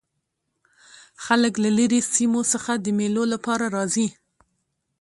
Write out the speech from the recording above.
خلک له ليري سیمو څخه د مېلو له پاره راځي.